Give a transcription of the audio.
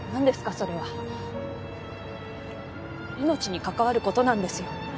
それは命に関わることなんですよ